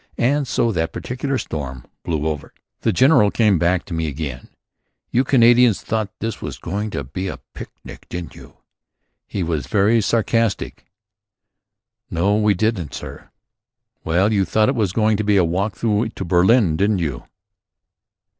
And so that particular storm blew over. The general came back to me again. "You Canadians thought this was going to be a picnic, didn't you?" He was very sarcastic. "No, we didn't, sir." "Well, you thought it was going to be a walk through to Berlin, didn't you?"